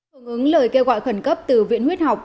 hướng ứng lời kêu gọi khẩn cấp từ viện huyết học